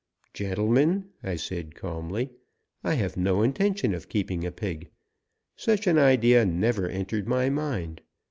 "Gentlemen," I said calmly, "I have no intention of keeping a pig. Such an idea never entered my mind.